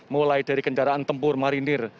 mulai dari kendaraan tempur marinir